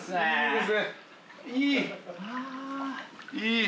いい！